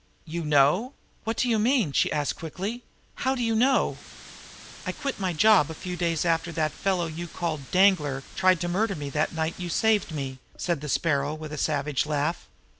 "You know? What do you mean?" she asked quickly. "How do you know?" "I quit my job a few days after that fellow you called Danglar tried to murder me that night you saved me," said the Sparrow, with a savage laugh.